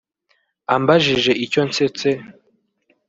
Ambajije icyo nsetse